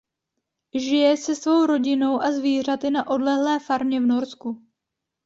Žije se svou rodinou a zvířaty na odlehlé farmě v Norsku.